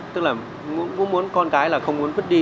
tức là cũng muốn con cái là không muốn vứt đi